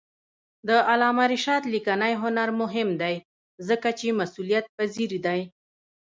د علامه رشاد لیکنی هنر مهم دی ځکه چې مسئولیتپذیر دی.